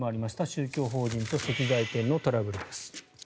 宗教法人と石材店のトラブルです。